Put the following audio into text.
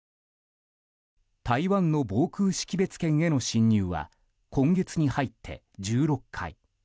台湾の防空識別圏への侵入は今月に入って１６回。